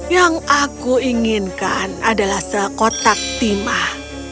yang aku inginkan adalah sekotak timah